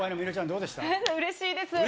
うれしいです。